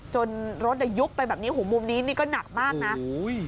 จนรถจะยุบไปแบบนี้หูมุมนี้นี่ก็หนักมากน่ะโอ้โห